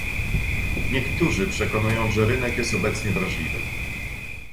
niektórzy przekonują, że rynek jest obecnie wrażliwy